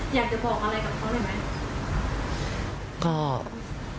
อยากจะบอกอะไรกับเขาเลยไหม